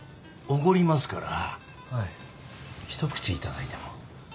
奢りますからひと口頂いても？